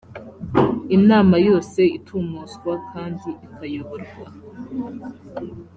inama yose itumuzwa kandi ikayoborwa